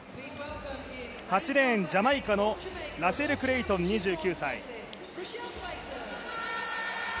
８レーン、ジャマイカのラシェル・クレイトン２２歳。